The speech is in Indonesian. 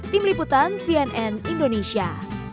tim liputan cnn indonesia